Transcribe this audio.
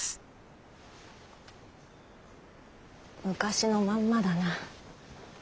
昔のまんまだな。